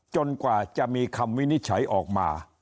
กว่าจะมีคำวินิจฉัยออกมา